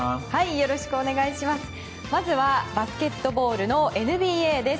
よろしくお願いします。